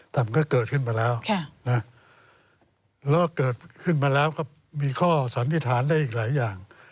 แต่มันก็เกิดขึ้นมาแล้วแล้วก็เกิดขึ้นมาแล้วก็มีข้อสันนิษฐานได้อีกหลายอย่าง